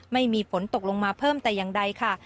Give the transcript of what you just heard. ไม่มีฝนตกลงมาเพิ่มแต่อย่างใดค่ะ